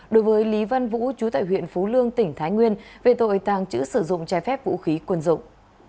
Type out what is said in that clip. đối với lý văn vũ chú tại huyện phú lương tỉnh thái nguyên về tội tàng trữ sử dụng trái phép vũ khí quân dụng